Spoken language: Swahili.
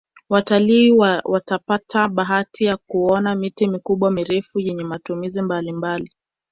watalii watapata bahati ya kuona miti mikubwa mirefu yenye matumizi mbalimbali